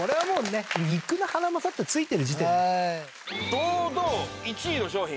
堂々１位の商品。